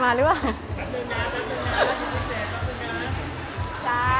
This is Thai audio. จ้าหัวเต๋า